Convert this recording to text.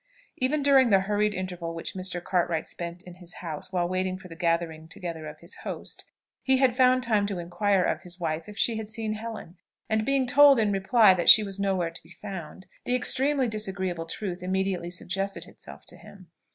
Even during the hurried interval which Mr. Cartwright spent in his house while waiting for the gathering together of his host, he had found time to inquire of his wife if she had seen Helen, and being told in reply that she was nowhere to be found, the extremely disagreeable truth immediately suggested itself to him.